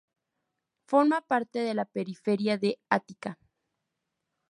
Forma parte de la periferia de Ática.